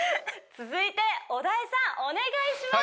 続いて小田井さんお願いします！